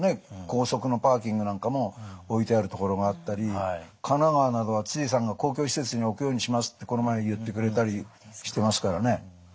高速のパーキングなんかも置いてある所があったり神奈川などは知事さんが公共施設に置くようにしますってこの前言ってくれたりしてますからね。